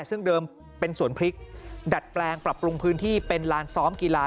ซึ่งเดิมเป็นสวนพริกดัดแปลงปรับปรุงพื้นที่เป็นลานซ้อมกีฬา